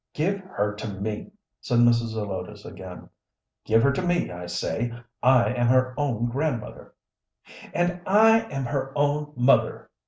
"Give her to me!" said Mrs. Zelotes again. "Give her to me, I say! I am her own grandmother!" "And I am her own mother!"